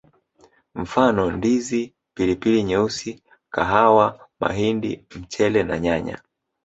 Mfano Ndizi Pilipili nyeusi kahawa mahindi mchele na nyanya